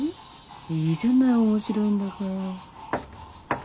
いいじゃない面白いんだから。